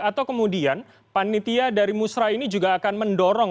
atau kemudian panitia dari musrah ini juga akan mendorong